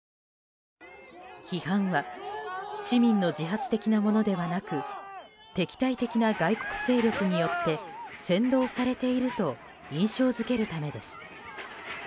批判は市民の自発的なものではなく敵対的な外国勢力によって扇動されていると印象付けるためです。